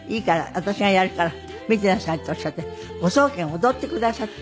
私がやるから見てなさい」っておっしゃってご宗家が踊ってくださって。